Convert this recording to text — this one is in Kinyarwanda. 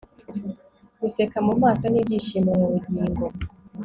guseka mumaso n'ibyishimo mubugingo